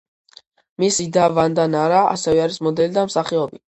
მისი და ვანდა ნარა, ასევე არის მოდელი და მსახიობი.